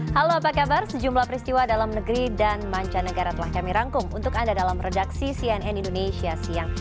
halo apa kabar sejumlah peristiwa dalam negeri dan mancanegara telah kami rangkum untuk anda dalam redaksi cnn indonesia siang